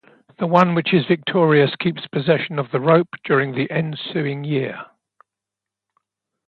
The one which is victorious keeps possession of the rope during the ensuing year.